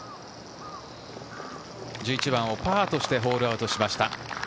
１１番をパーとしてホールアウトしました。